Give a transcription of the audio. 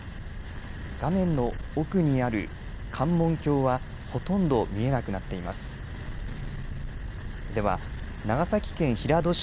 画面の奥にある関門橋はほとんど見えなくなっています。